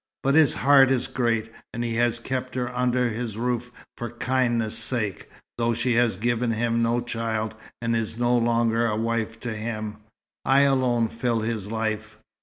But his heart is great, and he has kept her under his roof for kindness' sake, though she has given him no child, and is no longer a wife to him. I alone fill his life."